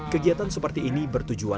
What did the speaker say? kegiatan seperti ini bertujuan